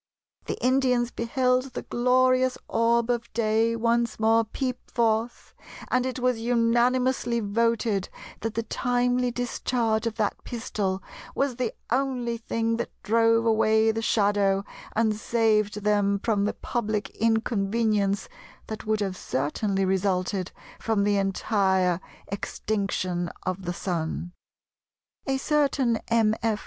The Indians beheld the glorious orb of day once more peep forth, and it was unanimously voted that the timely discharge of that pistol was the only thing that drove away the shadow and saved them from the public inconvenience that would have certainly resulted from the entire extinction of the Sun." A certain Mr. F.